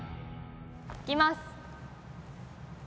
いきます。